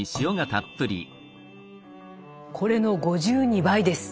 これの５２倍です！